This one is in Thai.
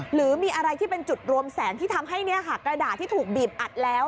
หรือมีอะไรที่เป็นจุดรวมแสงที่ทำให้กระดาษที่ถูกบีบอัดแล้ว